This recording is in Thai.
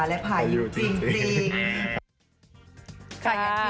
สุศรีค่ะ